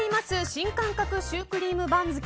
新感覚シュークリーム番付。